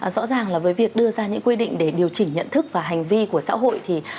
rõ ràng là với việc đưa ra những quy định để điều chỉnh nhận thức và hành vi của xã hội